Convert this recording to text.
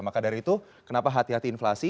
maka dari itu kenapa hati hati inflasi